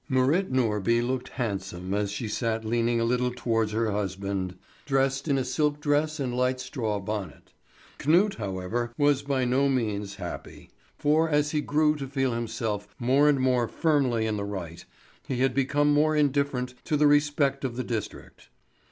Marit Norby looked handsome as she sat leaning a little towards her husband, dressed in a silk dress and light straw bonnet. Knut, however, was by no means happy; for as he grew to feel himself more and more firmly in the right, he had become more indifferent to the respect of the district.